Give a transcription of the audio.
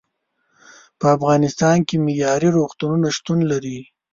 په افغانستان کې معیارې روغتونونه شتون لري.